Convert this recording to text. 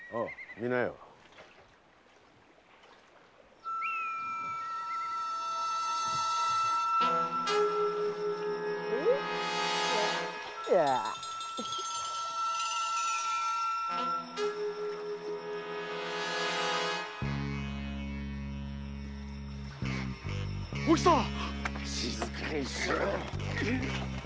静かにしろっ！